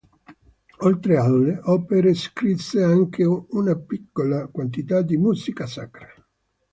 Oltre alle opere scrisse anche una piccola quantità di musica sacra.